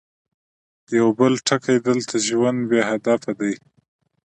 يو بل ټکی، دلته ژوند بې هدفه دی.